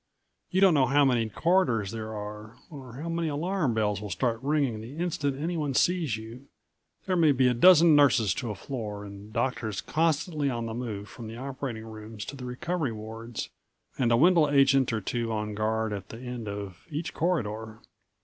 You don't know how many corridors there are, or how many alarm bells will start ringing the instant anyone sees you. There may be a dozen nurses to a floor and doctors constantly on the move from the operating rooms to the recovery wards, and a Wendel agent or two on guard at the end of each corridor.